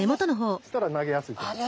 そしたら投げやすいと思います。